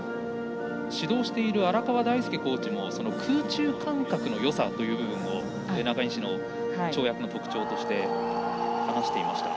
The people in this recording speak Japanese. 指導している荒川大輔コーチも空中感覚のよさという部分を中西の跳躍の特徴として話していました。